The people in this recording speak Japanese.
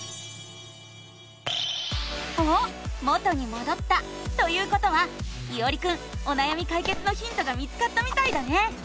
おっ元にもどったということはいおりくんおなやみかいけつのヒントが見つかったみたいだね！